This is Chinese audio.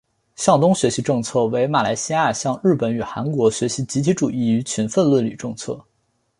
向东学习政策为马来西亚向日本与韩国学习集团主义与勤奋论理政策。